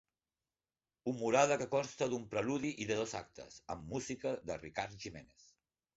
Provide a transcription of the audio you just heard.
Humorada que consta d'un preludi i de dos actes amb música de Ricard Giménez.